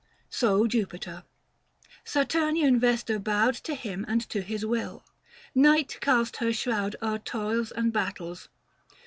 450 So Jupiter : Saturnian Vesta bowed To him and to his will. Night cast her shroud O'er toils and battles.